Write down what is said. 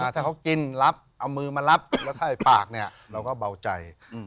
ถ้าเขากินรับเอามือมารับแล้วใส่ปากเนี่ยเราก็เบาใจ